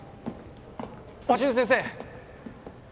鷲津先生！